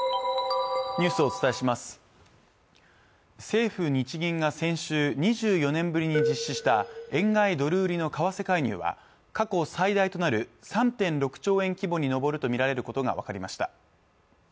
政府日銀が先週、２４年ぶりに実施した、円買い・ドル売りの為替介入は過去最大となる３．６兆円規模に上るとみられることが分かりました。